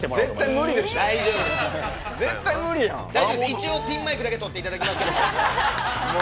一応ピンマイクだけ取ってもらいますけれども。